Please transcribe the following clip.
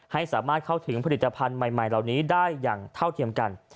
ให้สามารถเข้าถึงผลิตภัณฑ์ใหม่เหล่านี้ได้อย่างเท่าเทียมกัน